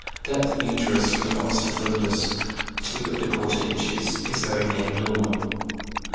Depth of uterus from os to fundus, two and a quarter inches, is very nearly normal.